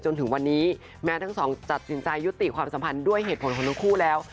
จนถึงวันนี้แม้ทั้งสองจัดสินใจยุติความสัมพันธ์ด้วยเหตุผลของทั้งคู่แล้ว